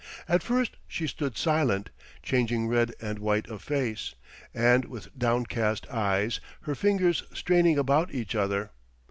At first she stood silent, changing red and white of face, and with downcast eyes, her fingers straining about each other.